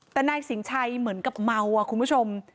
แต่นายสิงชัยเหมือนกับเมาคุณผู้ชม